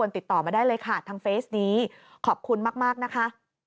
ติดต่อมาได้เลยค่ะทางเฟสนี้ขอบคุณมากนะคะ